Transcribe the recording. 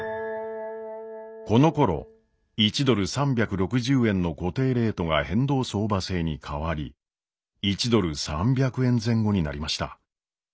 このころ１ドル３６０円の固定レートが変動相場制に変わり１ドル３００円前後になりました。